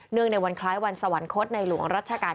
เนื่องในวันคล้ายวันสวรรคตในหลวงราชการ